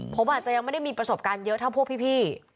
ผมอาจจะยังไม่ได้มีประสบการณ์เยอะเท่าพวกพี่